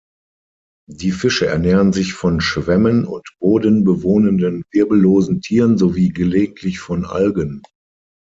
Die Fische ernähren sich von Schwämmen und bodenbewohnenden, wirbellosen Tieren sowie gelegentlich von Algen.